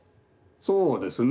そうですね。